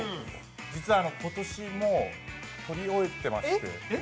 実は今年はもう撮り終えてまして。